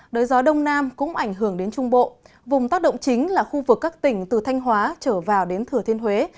đới gió đông nam cũng ảnh hưởng đến trung bộ vùng tác động chính là khu vực các tỉnh từ thanh hóa trở vào đến thừa thiên huế